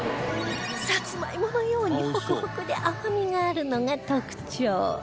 サツマイモのようにホクホクで甘みがあるのが特徴